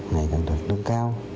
ngày càng được nâng cao